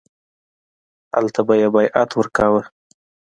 هلته به یې بیعت ورکاوه.